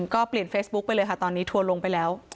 ก็เปลี่ยนเฟซบุ๊คไปเลยค่ะตอนนี้ทัวร์ลงไปแล้ว